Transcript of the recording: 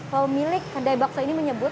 kalau milik kedai bakso ini menyebut